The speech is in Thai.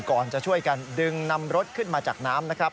ก่อนจะช่วยกันดึงนำรถขึ้นมาจากน้ำนะครับ